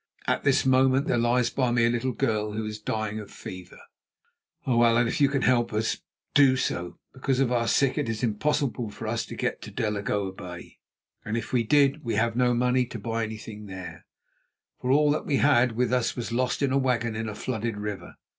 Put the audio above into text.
At this moment there lies by me a little girl who is dying of fever. "Oh, Allan, if you can help us, do so! Because of our sick it is impossible for us to get to Delagoa Bay, and if we did we have no money to buy anything there, for all that we had with us was lost in a wagon in a flooded river.